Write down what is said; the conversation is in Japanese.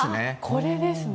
これですね。